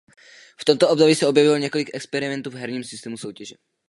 V tomto období se objevilo několik experimentů v herním systému soutěže.